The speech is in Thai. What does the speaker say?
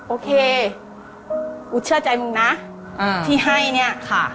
โอเคกูเชื่อใจมึงนะที่ให้เนี่ยค่ะ